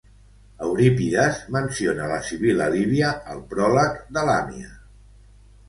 Eurípides menciona la sibil·la líbia al pròleg de "Lamia".